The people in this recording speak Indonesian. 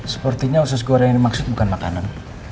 sepertinya usus goreng ini maksud bukan makanan